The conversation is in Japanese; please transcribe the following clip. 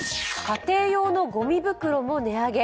家庭用のごみ袋も値上げ。